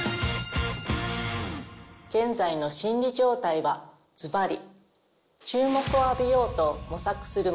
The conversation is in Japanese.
現在の心理状態はズバリ。